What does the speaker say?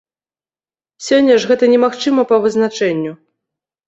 Сёння ж гэта немагчыма па вызначэнню.